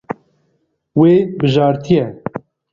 Wê bijartiye.